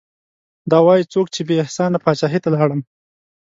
دا وايي څوک چې بې احسانه پاچاهي ته لاړم